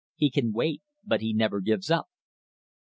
He can wait, but he never gives up."